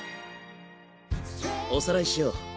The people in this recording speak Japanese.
おさらいしよう。